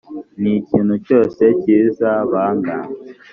n ikintu cyose cyiza banga